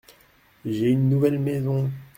J’ai une nouvelle maison.